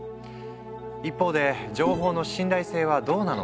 一方で情報の信頼性はどうなのか？